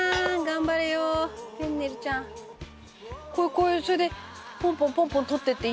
これそれでポンポンポンポン取っていっていいんですか？